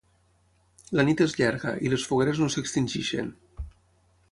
La nit és llarga i les fogueres no s'extingeixen.